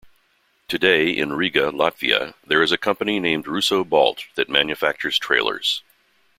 Today in Riga, Latvia, there is a company named Russo-Balt that manufactures trailers.